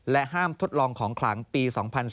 ห้ามทดลองของขลังปี๒๔